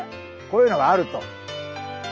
こういうのがあると。